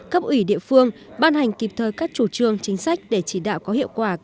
cấp ủy địa phương ban hành kịp thời các chủ trương chính sách để chỉ đạo có hiệu quả